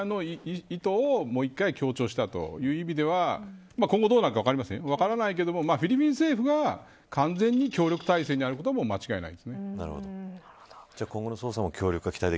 いわゆるフィリピン政府側の意図をもう一回強調したという意味では今後、どうなるか分からないけどもフィリピン政府が完全に協力体制にあることは間違いないですね。